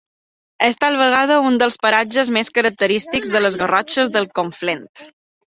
És tal vegada un dels paratges més característics de les Garrotxes del Conflent.